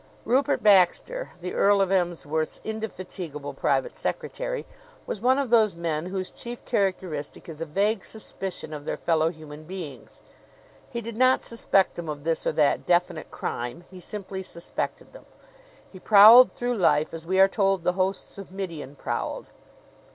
Rupert Baxter, the Earl of Emsworth's indefatigable private secretary, was one of those men whose chief characteristic is a vague suspicion of their fellow human beings. He did not suspect them of this or that definite crime; he simply suspected them. He prowled through life as we are told the hosts of Midian prowled.